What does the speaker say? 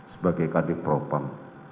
sebagai kadir propam